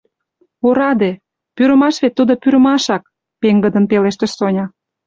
«Ораде, пӱрымаш вет тудо пӱрымашак, – пеҥгыдын пелештыш Соня.